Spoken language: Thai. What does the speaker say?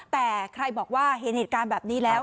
แต่ใครบอกว่าเห็นเหตุการณ์แบบนี้แล้ว